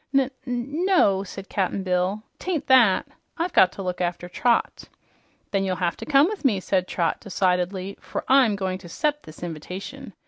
"N n no," said Cap'n Bill, "'tain't that. I've got to look after Trot." "Then you'll have to come with me," said Trot decidedly, "for I'm going to 'cept this inv'tation.